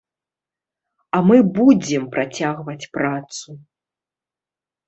А мы будзем працягваць працу.